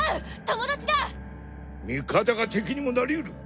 友味方が敵にもなりうる。